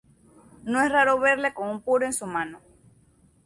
No es raro verle con un puro en su mano.